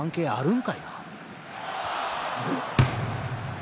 ん？